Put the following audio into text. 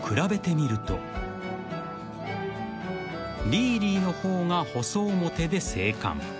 ［リーリーの方が細面で精悍］